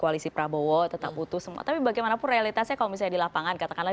koalisi prabowo tetap butuh semua tapi bagaimanapun realitasnya kalau misalnya di lapangan katakanlah